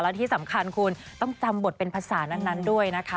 และที่สำคัญคุณต้องจำบทเป็นภาษานั้นด้วยนะคะ